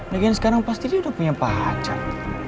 negara sekarang pasti dia udah punya pacar